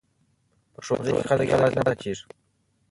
په ښوونځي کې خلک یوازې نه پاتې کیږي.